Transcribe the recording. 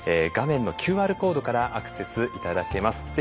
画面のＱＲコードからアクセス頂けます。